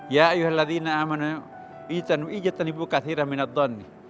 ya ayuhaladzina amanu ijatanu ijatanibu kathirah minaddoni